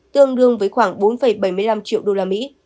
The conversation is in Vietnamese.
tương đương với khoảng bốn bảy mươi năm triệu usd